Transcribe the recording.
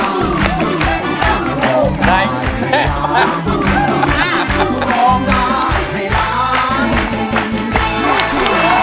ร้องได้ครับ